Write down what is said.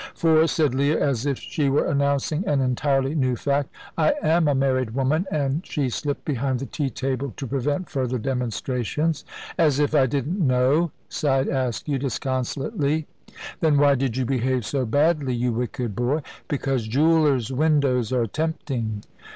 "For," said Leah, as if she were announcing an entirely new fact, "I am a married woman"; and she slipped behind the tea table to prevent further demonstrations. "As if I didn't know," sighed Askew, disconsolately. "Then why did you behave so badly, you wicked boy?" "Because jewellers' windows are tempting."